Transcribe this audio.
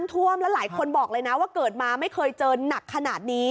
ท่วมแล้วหลายคนบอกเลยนะว่าเกิดมาไม่เคยเจอหนักขนาดนี้